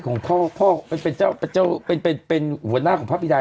ของพ่อพ่อเป็นเจ้าเป็นเจ้าเป็นเป็นเป็นหัวหน้าของพระบิดา